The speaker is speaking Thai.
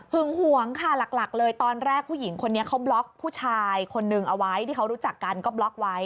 หวงค่ะหลักเลยตอนแรกผู้หญิงคนนี้เขาบล็อกผู้ชายคนนึงเอาไว้ที่เขารู้จักกันก็บล็อกไว้